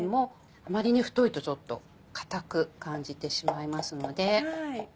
あまりに太いとちょっと硬く感じてしまいますので。